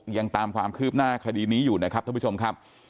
ยังตามความคืบหน้าคดีนี้อยู่นะครับท่านผู้ชมครับ